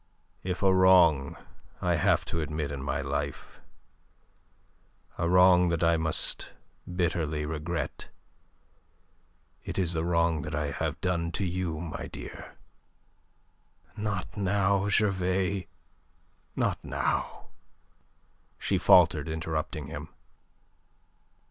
"If a wrong I have to admit in my life, a wrong that I must bitterly regret, it is the wrong that I have done to you, my dear..." "Not now, Gervais! Not now!" she faltered, interrupting him.